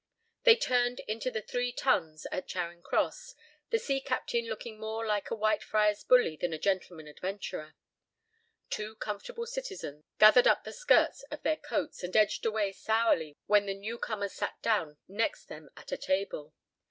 They turned into "The Three Tuns" at Charing Cross, the sea captain looking more like a Whitefriars' bully than a gentleman adventurer. Two comfortable citizens gathered up the skirts of their coats and edged away sourly when the new comers sat down next them at a table.